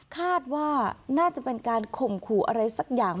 คาดว่าน่าจะเป็นการข่มขู่อะไรสักอย่าง